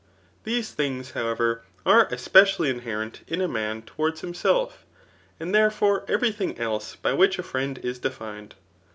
These things, however, are es pecially inherent in a man towards himself, and therefbre fevery thing else by which a friend is defined.